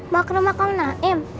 mau ke rumah kau naim